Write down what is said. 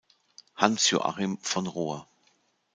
Hans Joachim von Rohr